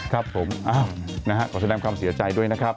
ครับผมขอแสดงความเสียใจด้วยนะครับ